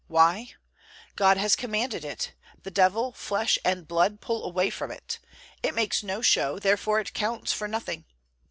Why? God has commanded it; the devil, flesh and blood pull away from it; it makes no show, therefore it counts for nothing.